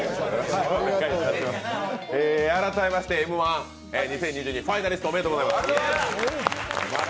改めまして「Ｍ−１」２０２２ファイナリストおめでとうございます。